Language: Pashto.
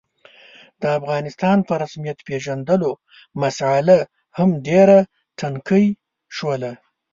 د افغانستان په رسمیت پېژندلو مسعله هم ډېره ټکنۍ شوله.